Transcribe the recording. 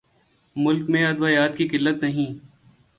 ملک میں ادویات کی قلت نہیں